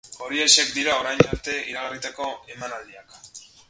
Horiexek dira orain arte iragarritako emanaldiak.